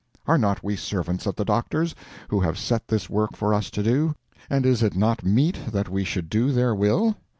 Are not we servants of the doctors, who have set this work for us to do, and is it not meet that we should do their will?